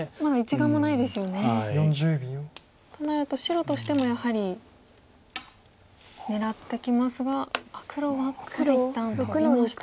となると白としてもやはり狙ってきますが黒はここで一旦トビました。